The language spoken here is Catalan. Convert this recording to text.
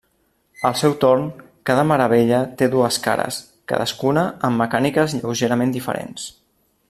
Al seu torn, cada meravella té dues cares, cadascuna amb mecàniques lleugerament diferents.